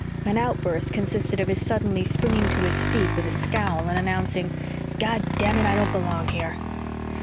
An outburst consisted of his suddenly springing to his feet with a scowl and announcing: "Goddamn it, I don't belong here!"